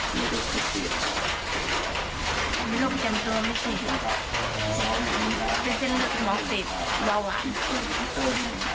หรือโรคประจำตัวไม่ฉีดเป็นในในหนอก็ฉีดบางปี